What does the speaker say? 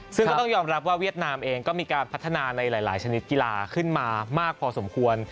ซึ่งก็ต้องยอมรับว่าเวียดนามเองก็มีการพัฒนาในหลายชนิดกีฬาขึ้นมามากพอสมควร